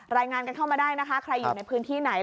รายงานกันเข้ามาได้นะคะใครอยู่ในพื้นที่ไหน